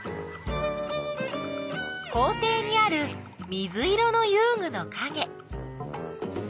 校ていにある水色のゆうぐのかげ。